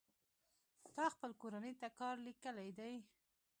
تا خپل کورنۍ کار ليکلى دئ.